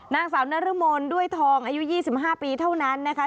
นางสาวนรมนด้วยทองอายุ๒๕ปีเท่านั้นนะคะ